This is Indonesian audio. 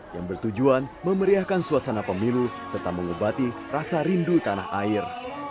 yang bertujuan memeriahkan suasana pemilu serta mengobati rasa rindu tanah air